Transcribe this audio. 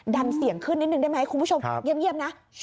ดันเสียงขึ้นนิดนึงได้ไหมคุณผู้ชมเงียบนะ